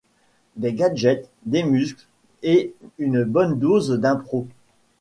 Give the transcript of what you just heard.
Des gadgets, des muscles, et une bonne dose d’impro.